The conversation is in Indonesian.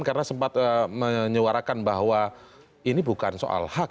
karena sempat menyuarakan bahwa ini bukan soal hak